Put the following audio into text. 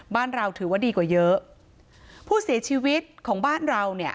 บ้านเราถือว่าดีกว่าเยอะผู้เสียชีวิตของบ้านเราเนี่ย